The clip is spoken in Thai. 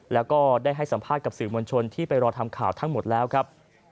แล้วก็ได้ให้สัมภาษณ์กับสื่อมวลชนที่ไปรอทำข่าวทั้งหมดแล้วครับ